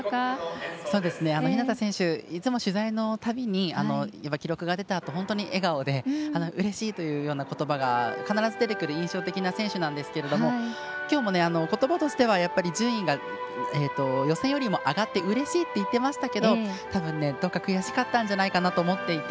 いつも取材のたびに記録が出たあと、本当に笑顔でうれしいということばが必ず出てくる印象的な選手なんですけどきょうも、ことばとしては順位が予選よりも上がってうれしいといってましたけどたぶん、どこか悔しかったんじゃないかなと思ってて。